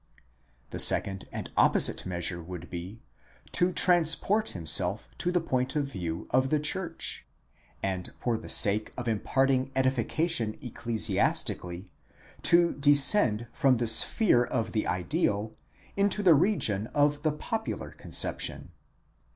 The second and opposite measure would be, to transport himself to the point of view of the church, and for the sake of imparting edification ecclesi astically, to descend from the sphere of the ideal into the region of the popular conception.